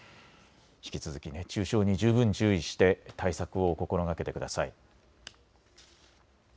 引き続き熱中症に十分注意して対策を心がけてください。